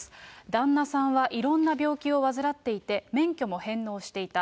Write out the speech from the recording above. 旦那さんはいろんな病気を患っていて、免許も返納していた。